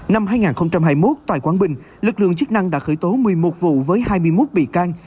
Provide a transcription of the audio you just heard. năm hai nghìn hai mươi một tại quảng bình lực lượng chức năng đã khởi tố một mươi một vụ với hai mươi một bị can